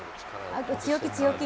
強気、強気。